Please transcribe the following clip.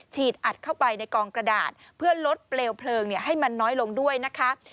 อัดเข้าไปในกองกระดาษเพื่อลดเปลวเพลิงให้มันน้อยลงด้วยนะคะ